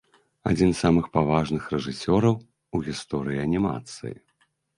Адзін з самых паважаных рэжысёраў у гісторыі анімацыі.